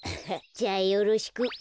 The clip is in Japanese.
じゃあよろしく。